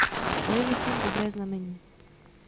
To je myslím dobré znamení.